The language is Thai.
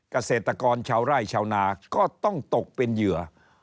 เกษตรกรชาวไร่ชาวนาก็ต้องตกเป็นเหยื่อ